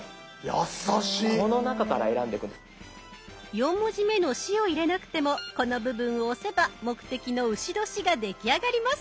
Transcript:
４文字目の「し」を入れなくてもこの部分を押せば目的の「丑年」が出来上がります。